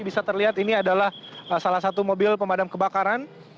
bisa terlihat ini adalah salah satu mobil pemadam kebakaran